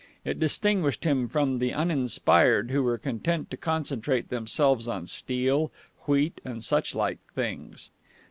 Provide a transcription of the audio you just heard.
It distinguished him from the uninspired who were content to concentrate themselves on steel, wheat and such like things.